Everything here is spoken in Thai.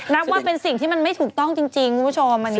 นับว่าเป็นสิ่งที่มันไม่ถูกต้องจริงคุณผู้ชม